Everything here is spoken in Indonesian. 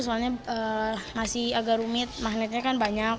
soalnya masih agak rumit magnetnya kan banyak